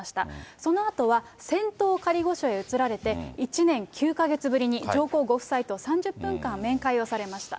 そのあとは仙洞仮御所へ移られて、１年９か月ぶりに上皇ご夫妻と３０分間、面会をされました。